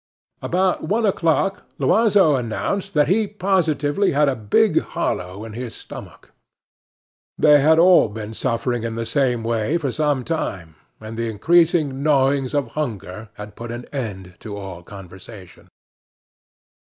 About one o'clock Loiseau announced that he positively had a big hollow in his stomach. They had all been suffering in the same way for some time, and the increasing gnawings of hunger had put an end to all conversation.